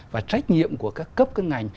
và trách nhiệm của các cấp các ngành